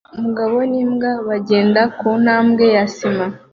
Umugabo n'imbwa bagenda kuntambwe ya sima